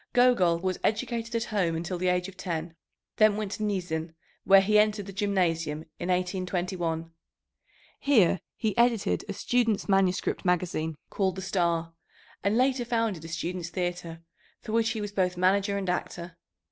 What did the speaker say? Gogol was educated at home until the age of ten, then went to Niezhin, where he entered the gymnasium in 1821. Here he edited a students' manuscript magazine called the Star, and later founded a students' theatre, for which he was both manager and actor.